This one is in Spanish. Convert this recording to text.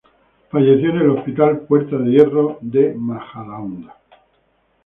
Falleció en el hospital Puerta de Hierro de Majadahonda.